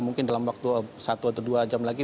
mungkin dalam waktu satu atau dua jam lagi